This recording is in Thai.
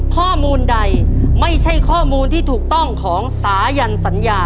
ข้อมูลใดไม่ใช่ข้อมูลที่ถูกต้องของสายันสัญญา